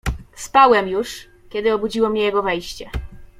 "Spałem już, kiedy obudziło mnie jego wejście."